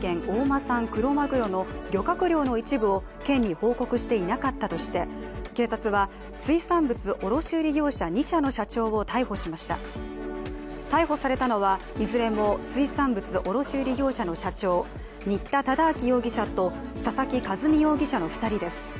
産クロマグロの漁獲量の一部を県に報告していなかったとして警察は、水産物卸売業者２社の社長を逮捕しました、逮捕されたのはいずれも水産物卸売業者の社長、新田忠明容疑者と佐々木一美容疑者の２人です。